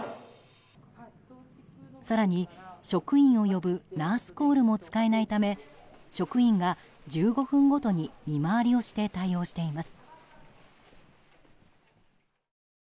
更に、職員を呼ぶナースコールも使えないため職員が１５分ごとに見回りをして対応しています。